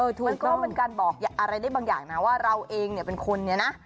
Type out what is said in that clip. เออถูกใช่ม่ะมันก็เป็นการบอกอะไรในบางอย่างนะว่าเราเองเป็นคนเนี่ยนะ